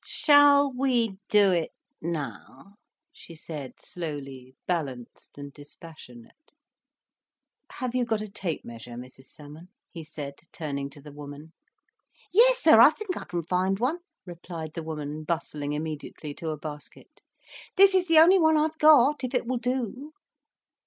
"Shall we do it now?" she said slowly, balanced and dispassionate. "Have you got a tape measure, Mrs Salmon?" he said, turning to the woman. "Yes sir, I think I can find one," replied the woman, bustling immediately to a basket. "This is the only one I've got, if it will do."